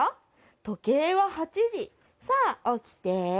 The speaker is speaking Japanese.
「とけいは８じさあおきて！」